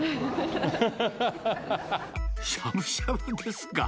しゃぶしゃぶですか。